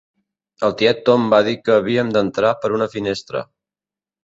El tiet Tom va dir que havíem d"entrar per una finestra.